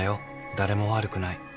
誰も悪くない。